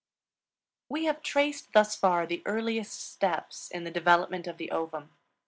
We have traced thus far the earliest steps in the development of the ovum.